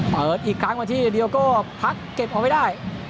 เปิดอีกครั้งมาที่เดียวก็พักเก็บเอาไว้ได้